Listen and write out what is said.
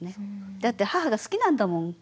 だって母が好きなんだもん。